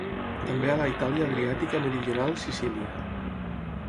També a la Itàlia adriàtica meridional i Sicília.